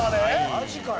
マジかよ。